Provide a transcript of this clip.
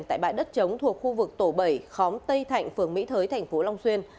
tại bãi đất trống thuộc khu vực tổ bảy khóm tây thạnh phường mỹ thới thành phố long xuyên